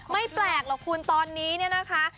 ไม่แปลกหรอกคุณตอนนี้เนี่ยนะคะ